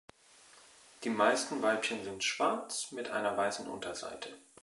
Die meisten Weibchen sind schwarz mit einer weißen Unterseite.